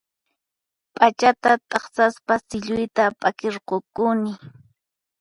P'achata t'aqsaspa silluyta p'akirqukuni